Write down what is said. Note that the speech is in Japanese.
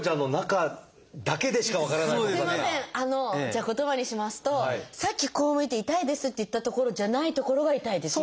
じゃあ言葉にしますとさっきこう向いて「痛いです」って言った所じゃない所が痛いです